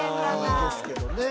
いいですけどね。